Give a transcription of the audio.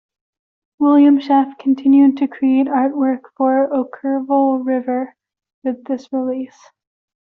William Schaff continued to create artwork for Okkervil River with this release.